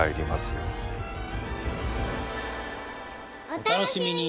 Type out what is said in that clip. お楽しみに！